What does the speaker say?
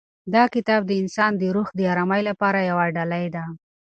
دا کتاب د انسان د روح د ارامۍ لپاره یوه ډالۍ ده.